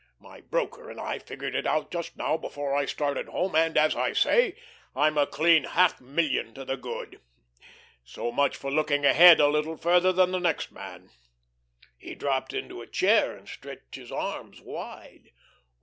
My broker and I figured it out just now before I started home, and, as I say, I'm a clean half million to the good. So much for looking ahead a little further than the next man." He dropped into a chair and stretched his arms wide.